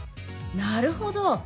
なるほど！